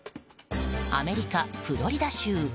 アメリカ・フロリダ州。